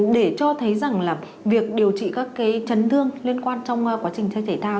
để cho thấy rằng việc điều trị các chấn thương liên quan trong quá trình chơi thể thao